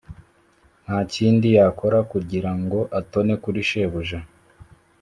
Ntakindi yakora kugira ngo atone kuri shebuja.